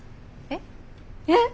えっ？えっ！？